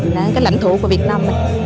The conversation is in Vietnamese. là cái lãnh thủ của việt nam